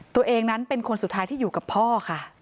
ตัวเองนั้นเป็นคนสุดท้ายที่อยู่กับพ่อค่ะ